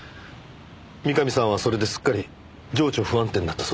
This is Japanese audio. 三上さんはそれですっかり情緒不安定になったそうです。